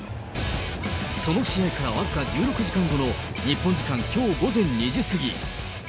その試合から僅か１６時間後の、日本時間きょう午前２時過ぎ。